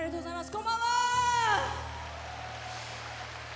こんばんは！